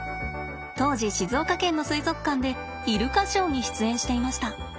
当時静岡県の水族館でイルカショーに出演していました。